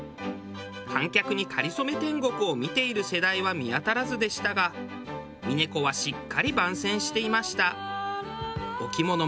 観客に『かりそめ天国』を見ている世代は見当たらずでしたが峰子はしっかり番宣していました。